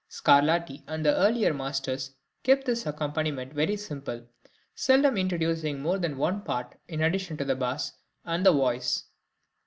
Scarlatti and the earlier masters kept this accompaniment very simple, seldom introducing more than one part in addition to the bass and the voice.